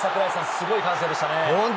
すごい歓声でしたね。